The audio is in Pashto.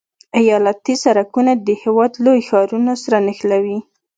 ایالتي سرکونه د هېواد لوی ښارونه سره نښلوي